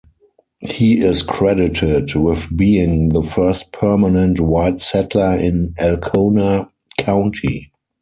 He is credited with being the first permanent white settler in Alcona County.